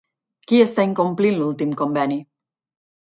Qui està incomplint l'últim conveni?